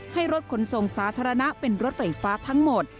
ให้รถขนส่งสาธารณะเป็นรถไฟฟ้าทั้งหมด